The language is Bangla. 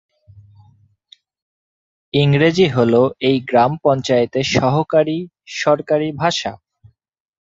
ইংরেজি হল এই গ্রাম পঞ্চায়েতের সহকারী সরকারি ভাষা।